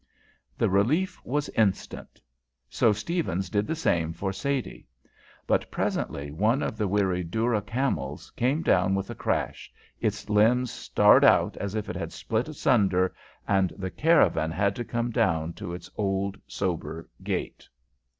The relief was instant, so Stephens did the same for Sadie. But presently one of the weary doora camels came down with a crash, its limbs starred out as if it had split asunder, and the caravan had to come down to its old sober gait.